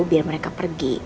biar mereka pergi